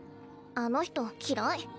あの人嫌い。